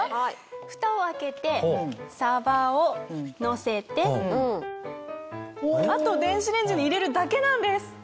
ふたを開けてさばをのせてあと電子レンジに入れるだけなんです。